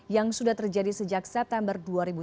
yang sudah terjadi sejak september dua ribu sembilan belas